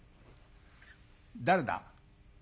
「誰だ？